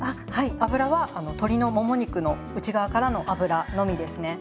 油は鶏のもも肉の内側からの脂のみですね。